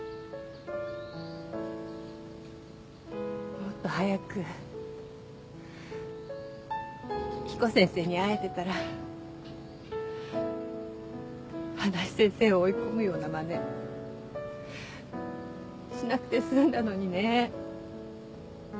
もっと早く彦先生に会えてたら花井先生を追い込むようなまねしなくて済んだのにね。